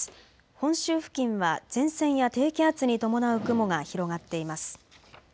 本州付近は前線や低気圧に伴う雲が広がっています。